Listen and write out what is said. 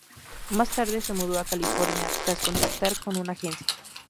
Más tarde se mudó a California, tras contactar con una agencia.